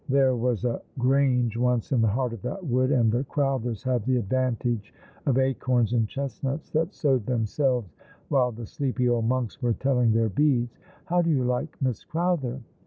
There was a grange once in the heart of that wood, and the Crowthers have the advantage of acorns and chestnuts that sowed themselves while the sleepy old monks were telling their beads. How do you like Miss Crowther